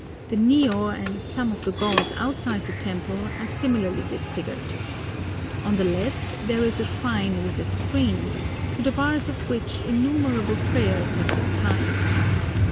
The Ni ô and some of the gods outside the temple are similarly disfigured. On the left there is a shrine with a screen, to the bars of which innumerable prayers have been tied.